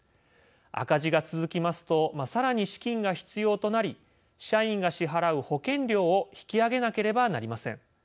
赤字が続きますとさらに資金が必要となり社員が支払う「保険料」を引き上げなければなりません。